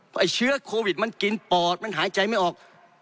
เพราะเชื้อโควิดมันกินปอดมันหายใจไม่ออก